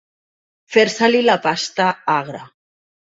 Fer-se-li la pasta agra.